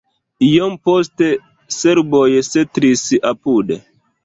Iom poste serboj setlis apude.